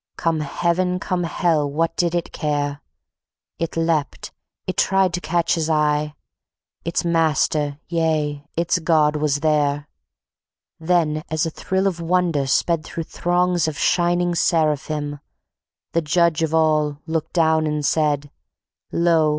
Come Heav'n, come Hell, what did it care? It leapt, it tried to catch his eye; Its master, yea, its God was there. Then, as a thrill of wonder sped Through throngs of shining seraphim, The Judge of All looked down and said: "Lo!